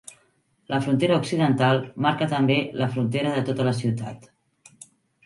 La frontera occidental marca també la frontera de tota la ciutat.